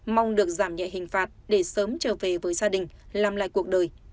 mong được giảm nhẹ hình phạt để sớm trở về với gia đình làm lại cuộc đời